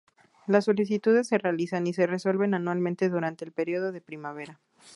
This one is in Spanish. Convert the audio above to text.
Las solicitudes se realizan y se resuelven anualmente durante el periodo de primavera.